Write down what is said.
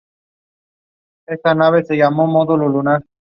Su uso más común y conocido es en transmisiones de datos por vía telefónica.